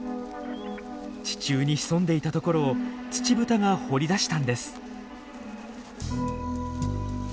地中に潜んでいたところをツチブタが掘り出したんです。